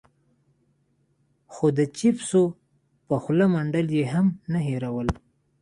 خو د چېپسو په خوله منډل يې هم نه هېرول.